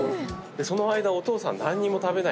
その間お父さん何にも食べない。